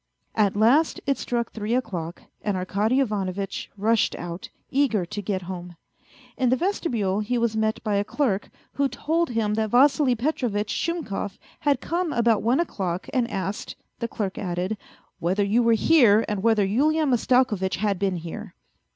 At last it struck three o'clock, and Arkady Ivanovitch rushed out, eager to get home. In the vestibule he was met by a clerk, who told him that Vassily Petrovitch Shumkov had come about one o'clock and asked, the clerk added, " whether you were here, and whether Yulian Mastakovitch had been here."